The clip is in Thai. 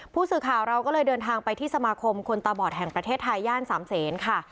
ผู้สื่อข่าวเราก็เลยเดินทางไปที่สมาคมคนตาบอดแห่งประเทศไทยย่านสามเศษค่ะ